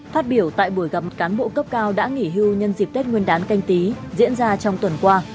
phát biểu tại buổi gặp cán bộ cấp cao đã nghỉ hưu nhân dịp tết nguyên đán canh tí diễn ra trong tuần qua